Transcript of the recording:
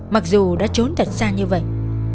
mặc dù đã trốn thật xa như vậy